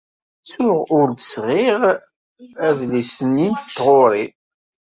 Ttuɣ ur d-sɣiɣ adlis-nni n tɣuri.